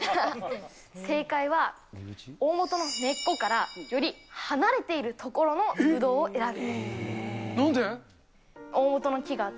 正解は、大本の根っこから、より離れている所のぶどうを選ぶ。